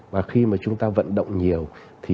và khi mà chúng ta vận động nhiều